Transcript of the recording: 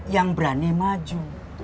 yang berani maju